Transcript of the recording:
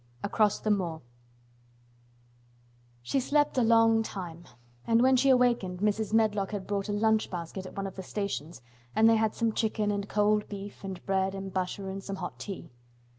ACROSS THE MOOR She slept a long time, and when she awakened Mrs. Medlock had bought a lunchbasket at one of the stations and they had some chicken and cold beef and bread and butter and some hot tea.